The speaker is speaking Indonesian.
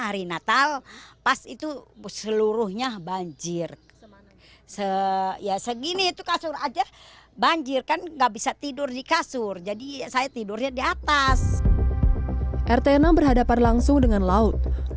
rt enam berhadapan langsung dengan laut